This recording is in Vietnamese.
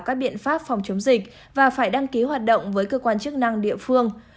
các biện pháp phòng chống dịch và phải đăng ký hoạt động với cơ quan chức năng địa phương